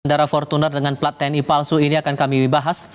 bandara fortuner dengan plat tni palsu ini akan kami bahas